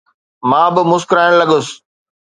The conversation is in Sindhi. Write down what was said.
مان به مسڪرائڻ لڳس.